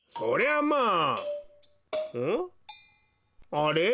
あれ？